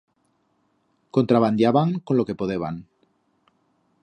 Contrabandiaban con lo que podeban.